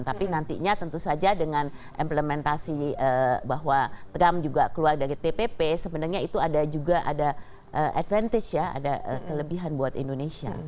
tapi nantinya tentu saja dengan implementasi bahwa trump juga keluar dari tpp sebenarnya itu ada juga ada advantage ya ada kelebihan buat indonesia